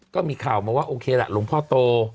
ก็มีข่าวมาว่าโอเคล่ะหลวงพ่อโต